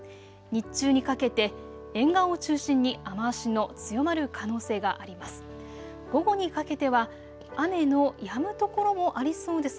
日中にかけて沿岸を中心に雨足の強まる可能性があります。